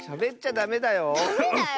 ダメだよ。